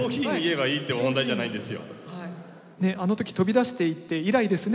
「あの時飛び出していって以来ですね」